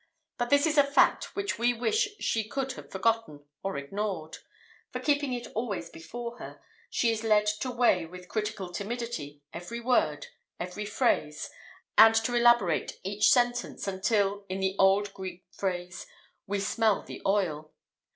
But this is a fact which we wish she could have forgotten or ignored. For, keeping it always before her, she is led to weigh with critical timidity every word, every phrase, and to elaborate each sentence until, in the old Greek phrase, we "smell the oil."